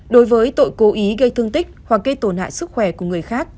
đối với tội cố ý gây thương tích hoặc gây tổn hại sức khỏe của người khác